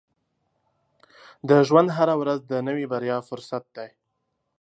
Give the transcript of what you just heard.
• د ژوند هره ورځ د نوې بریا فرصت دی.